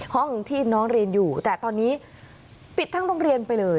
ห้องที่น้องเรียนอยู่แต่ตอนนี้ปิดทั้งโรงเรียนไปเลย